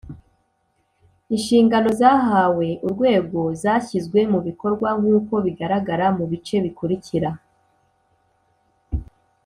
inshingano zahawe urwego zashyizwe mu bikorwa nk’uko bigaragara mu bice bikurikira.